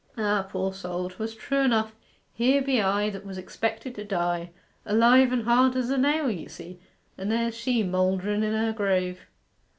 Ah, poor soul, 'twas true enough! Here be I, that was expected to die, alive and hard as a nail, you see, and there's she moulderen in her grave.